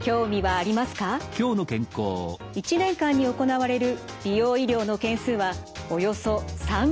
あなたは１年間に行われる美容医療の件数はおよそ３００万件。